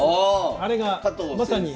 あれがまさに。